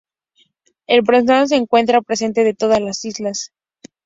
El permafrost se encuentra presente en todas las islas.